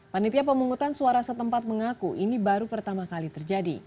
panitia pemungutan suara setempat mengaku ini baru pertama kali terjadi